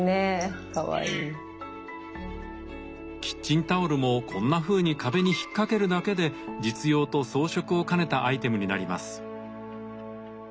キッチンタオルもこんなふうに壁に引っ掛けるだけで実用と装飾を兼ねたアイテムになります。